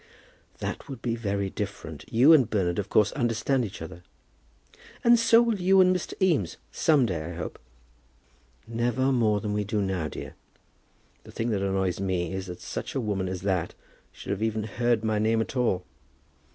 "That would be very different. You and Bernard, of course, understand each other." "And so will you and Mr. Eames some day, I hope." "Never more than we do now, dear. The thing that annoys me is that such a woman as that should have even heard my name at all."